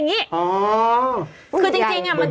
โอเคโอเคโอเค